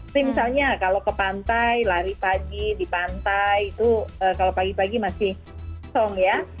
jadi misalnya kalau ke pantai lari pagi di pantai itu kalau pagi pagi masih song ya